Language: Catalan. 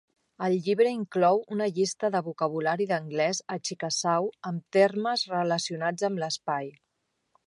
El llibre inclou una llista de vocabulari d'anglès a chickasaw amb termes relacionats amb l'espai.